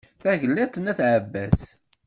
Tagliḍt n at ɛebbas.